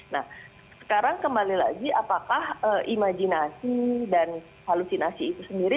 nah sekarang kembali lagi apakah imajinasi dan halusinasi itu sendiri